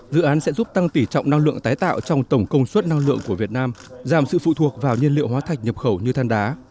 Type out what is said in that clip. dự án sẽ giúp tăng tỉ trọng năng lượng tái tạo trong tổng công suất năng lượng của việt nam giảm sự phụ thuộc vào nhiên liệu hóa thạch nhập khẩu như than đá